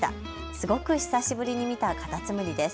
すごく久しぶりに見たカタツムリです。